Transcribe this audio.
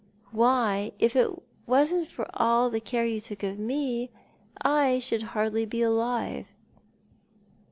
Why, if it wasn't for all the care yon toolv of me, I should hardly be alive."